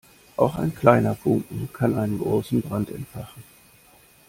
Auch ein kleiner Funken kann einen großen Brand entfachen.